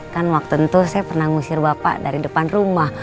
kan waktu itu saya pernah ngusir bapak dari depan rumah